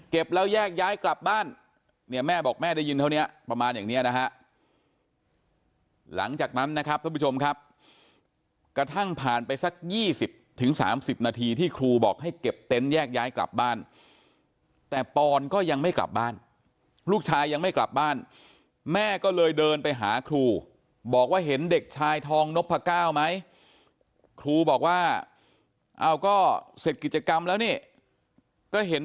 แล้วแยกย้ายกลับบ้านเนี่ยแม่บอกแม่ได้ยินเท่านี้ประมาณอย่างเนี้ยนะฮะหลังจากนั้นนะครับท่านผู้ชมครับกระทั่งผ่านไปสัก๒๐๓๐นาทีที่ครูบอกให้เก็บเต็นต์แยกย้ายกลับบ้านแต่ปอนก็ยังไม่กลับบ้านลูกชายยังไม่กลับบ้านแม่ก็เลยเดินไปหาครูบอกว่าเห็นเด็กชายทองนพก้าวไหมครูบอกว่าเอาก็เสร็จกิจกรรมแล้วนี่ก็เห็น